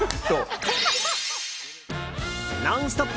「ノンストップ！」